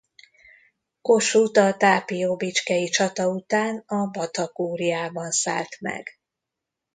Kossuth a tápióbicskei csata után a Battha-kúriában szállt meg.